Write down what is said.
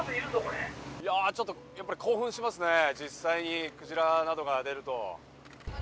やっぱり興奮しますね、実際にクジラなどが出ると。